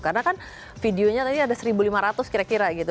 karena kan videonya tadi ada seribu lima ratus kira kira gitu